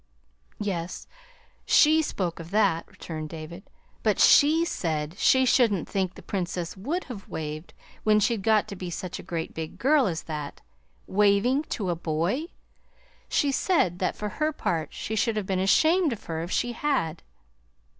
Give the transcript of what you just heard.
"Yes, SHE spoke of that," returned David. "But SHE said she shouldn't think the Princess would have waved, when she'd got to be such a great big girl as that WAVING to a BOY! She said that for her part she should have been ashamed of her if she had!"